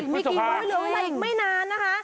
มีกี่ไม่นานนะคะ